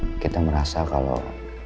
iya makanya kita merasa kalau